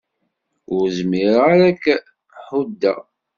Ur zmireɣ ara ad k-ḥuddeɣ.